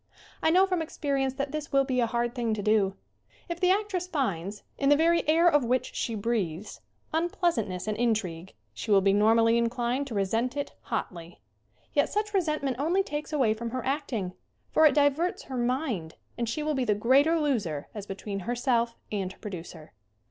I know from experience that this will be a hard thing to do. If the actress finds, in the very air of which she breathes, unpleasantness and intrigue, she will be normally inclined to resent it hotly. Yet such resentment only takes away from her acting, for it diverts her mind, and she will be the greater loser as be tween herself and her producer.